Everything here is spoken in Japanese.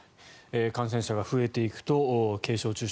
感染者が増えていくと軽症、中等症